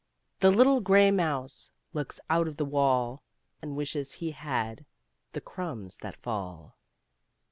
^ K.P. The little grey^<?«/e Looks out of the Wall^ And wishes he had The Crumbsx!ci^\. fall